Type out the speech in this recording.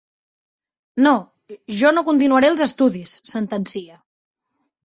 No, jo no continuaré els estudis —sentencia—.